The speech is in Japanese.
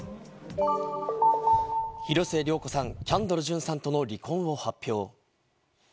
広末涼子さん、キャンドル・ジュンさんとの離婚を発表。